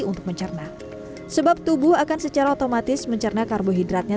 untuk mencerna sebab tubuh akan secara otomatis mencerna karbohidratnya